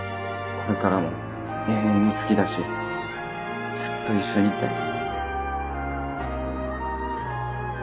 これからも永遠に好きだしずっと一緒にいたい。